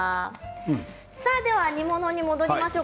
では煮物に戻りましょう。